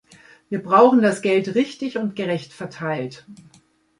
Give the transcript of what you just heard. Wir brauchen das Geld richtig und gerecht verteilt!